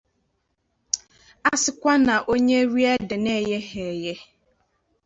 A sịkwaṅna onye rie ede na-egheghị eghe